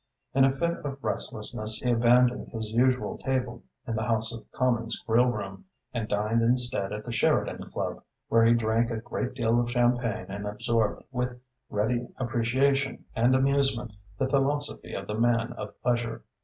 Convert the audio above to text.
In a fit of restlessness he abandoned his usual table in the House of Commons grillroom, and dined instead at the Sheridan Club, where he drank a great deal of champagne and absorbed with ready appreciation and amusement the philosophy of the man of pleasure.